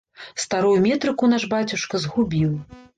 Старую метрыку наш бацюшка згубіў.